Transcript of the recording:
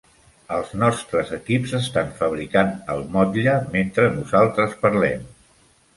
Els nostres equips estan fabricant el motlle mentre nosaltres parlem.